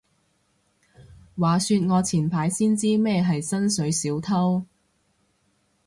話說我前排先知咩係薪水小偷